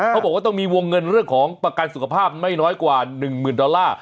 เขาบอกว่าต้องมีวงเงินเรื่องของประกันสุขภาพไม่น้อยกว่า๑หมื่นดอลลาร์